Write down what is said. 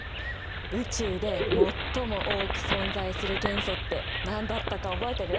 宇宙でもっとも多く存在する元素って何だったか覚えてる？